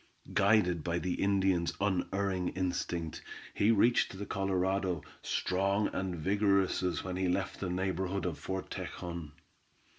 Guided by the Indian's unerring instinct, he reached the Colorado, strong and vigorous as when he left the neighborhood of Fort Tejon.